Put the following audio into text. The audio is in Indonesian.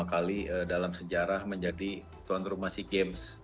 dua kali dalam sejarah menjadi tuan rumah sea games